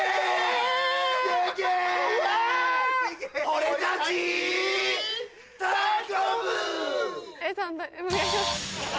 お願いします。